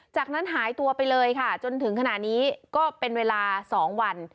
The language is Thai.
จากนั้นหายตัวไปเลยค่ะจนถึงขณะนี้ก็เป็นเวลา๒วัน